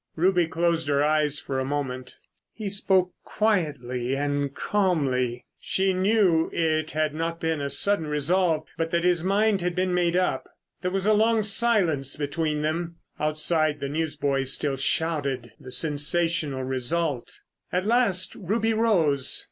Ruby closed her eyes for a moment. He spoke quietly and calmly. She knew it had not been a sudden resolve, but that his mind had been made up. There was a long silence between them. Outside the newsboys still shouted the sensational result. At last Ruby rose.